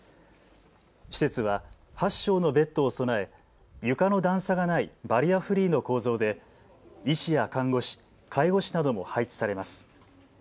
施設は８床のベッドを備え床の段差がないバリアフリーの構造で医師や看護師、介護士なども配置されます。